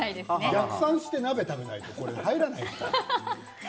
逆算して鍋食べないとこれ入らないから。